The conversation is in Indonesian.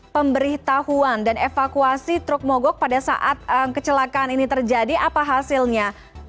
pemberitahuan dan evakuasi truk mogok pada saat kecelakaan ini terjadi apa hasilnya